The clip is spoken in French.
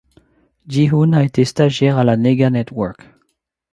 Jihun a été stagiaire à la Nega Network.